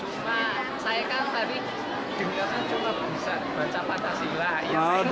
saya kan tadi juga cuma bisa baca pancasila